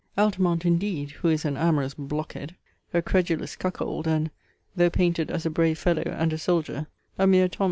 Altamont indeed, who is an amorous blockhead, a credulous cuckold, and, (though painted as a brave fellow, and a soldier,) a mere Tom.